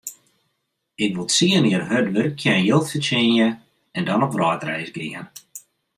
Ik wol tsien jier hurd wurkje en jild fertsjinje en dan op wrâldreis gean.